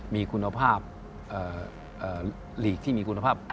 มีคุณภาพลีกที่มีคุณภาพ